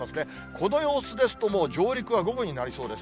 この様子ですと、もう上陸は午後になりそうです。